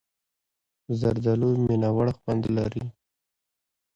زردالو مینهوړ خوند لري.